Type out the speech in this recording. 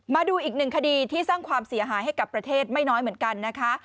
มาดูอีกหนึ่งคดีที่สร้างความเสียหายให้กับประเทศไม่น้อยเหมือนกันนะคะ